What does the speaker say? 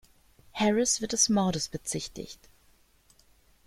Harris wird des Mordes bezichtigt.